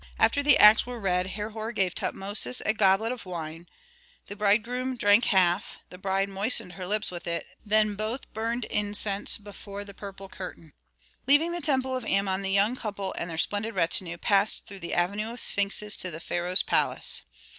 After the acts were read Herhor gave Tutmosis a goblet of wine. The bridegroom drank half, the bride moistened her lips with it, and then both burned incense before the purple curtain. Leaving the temple of Amon the young couple and their splendid retinue passed through the avenue of sphinxes to the pharaoh's palace.